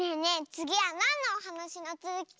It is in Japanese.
つぎはなんのおはなしのつづき